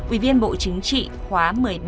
ủy viên bộ chính trị khóa một mươi ba